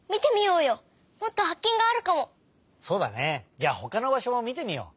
じゃあほかのばしょもみてみよう。